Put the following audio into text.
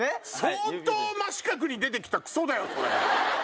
相当真四角に出てきたクソだよそれ。